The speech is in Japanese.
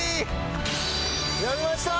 やりました！